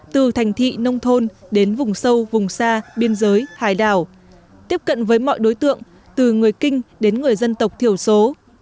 từ thành thị nông thôn đến vùng sâu vùng xa biên giới hải đảo tiếp cận với mọi đối tượng từ người kinh đến người dân tộc thiểu số